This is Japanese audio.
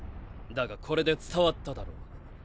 だがこれで伝わっただろう。